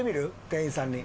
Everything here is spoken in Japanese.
店員さんに。